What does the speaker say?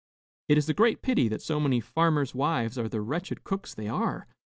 It is a great pity that so many farmers' wives are the wretched cooks they are.